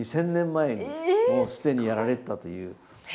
２０００年前にもう既にやられてたという。